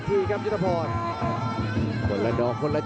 พยาบกระแทกมัดเย็บซ้าย